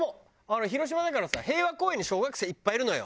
俺広島だからさ平和公園に小学生いっぱいいるのよ。